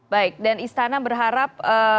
baik dan istana berharap